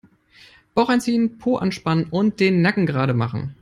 Bauch einziehen, Po anspannen und den Nacken gerade machen.